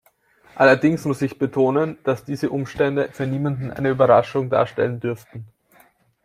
Allerdings muss ich betonen, dass diese Umstände für niemanden eine Überraschung darstellen dürften.